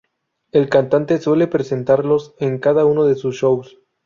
El cantante suele presentarlos en cada uno de sus shows.